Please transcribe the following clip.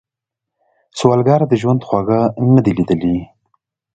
سوالګر د ژوند خواږه نه دي ليدلي